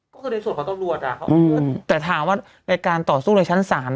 ก็แบบส่วนเขาก็ต้องรวดอะเพราะว่าในการต่อสู้ในชั้นสาร